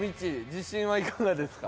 自信はいかがですか？